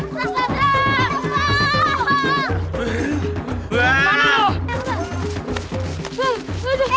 peh peh peh